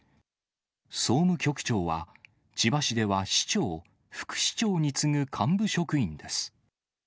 総務局長は、千葉市では市長、副市長に次ぐ幹部職員です。